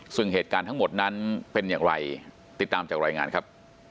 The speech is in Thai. ซึ่งเหตุการณ์ทั้งหมดนั้นเป็นอย่างไรติดตามจากรายงานครับ